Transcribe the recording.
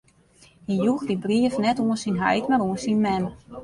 Hy joech dy brief net oan syn heit, mar oan syn mem.